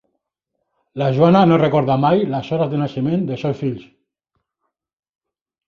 La Joana no recorda mai les hores de naixement dels seus fills.